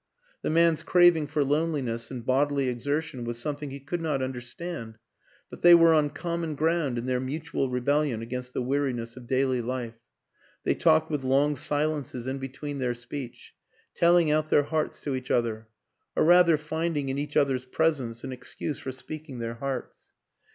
The man's craving for loneliness and bodily exertion was something he could not understand; but they were on com mon ground in their mutual rebellion against the weariness of daily life. They talked with long silences in between their speech, telling out their hearts to each other; or rather finding in each other's presence an excuse for speaking their hearts.